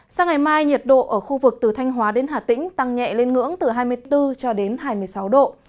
sang ngày mai nhiệt độ ở khu vực từ thanh hóa đến hà tĩnh tăng nhẹ lên ngưỡng từ hai mươi bốn cho đến hai mươi sáu độ